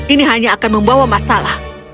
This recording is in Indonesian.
ini hanya akan membawa masalah